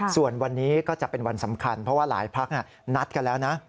ส่วนวันนี้ก็จะเป็นวันสำคัญเพราะว่าหลายพักนัดกันแล้วนะ